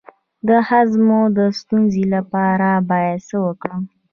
د هضم د ستونزې لپاره باید څه وکړم؟